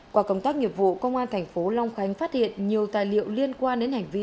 qua công tác nghiệp vụ công an thành phố long khánh phát hiện nhiều tài liệu liên quan đến hành vi